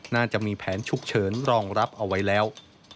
น่าจะมีแผนฉุกเฉินรองรับเอาไว้แล้ว